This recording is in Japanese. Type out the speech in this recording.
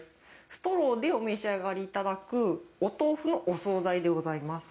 ストローでお召し上がりいただく、お豆腐のお総菜でございます。